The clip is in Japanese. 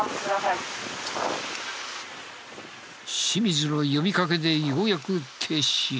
清水の呼びかけでようやく停止。